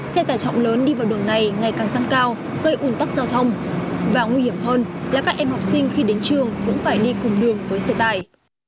xe tải trọng lớn đi vào đường này ngày càng tăng cao gây ủn tắc giao thông và nguy hiểm hơn là các em học sinh khi đến trường cũng phải đi cùng đường với xe tải